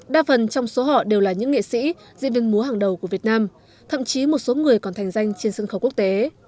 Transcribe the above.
đa phần trong số họ đều là những nghệ sĩ diễn viên múa hàng đầu của việt nam thậm chí một số người còn thành danh trên sân khấu quốc tế